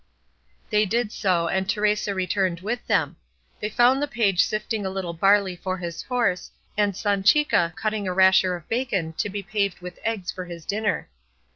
They did so, and Teresa returned with them. They found the page sifting a little barley for his horse, and Sanchica cutting a rasher of bacon to be paved with eggs for his dinner.